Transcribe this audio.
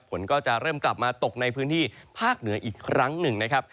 ฝนก็จะเริ่มกลับมาตกในพื้นที่ภาคเหนืออีกครั้งหนึ่งนะครับ